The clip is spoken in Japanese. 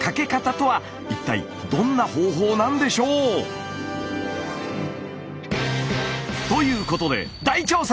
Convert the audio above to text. とは一体どんな方法なんでしょう？ということで大調査！